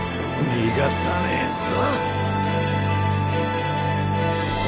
逃がさねぇぞ！